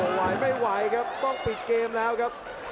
ไหวไม่ไหวครับต้องปิดเกมแล้วครับ